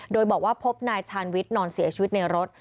โดยบอกว่าพบนายชาญวิทย์นอนเสียชีวิตในรถ